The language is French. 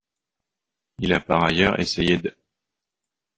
Il a par ailleurs essayé d'.